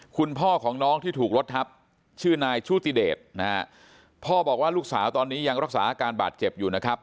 คุณพ่อของน้องที่ถูกรถทับชื่อนายชุติเดชนะฮะพ่อบอกว่าลูกสาวตอนนี้ยังรักษาอาการบาดเจ็บอยู่นะครับ